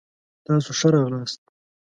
تاسو ښه راغلاست.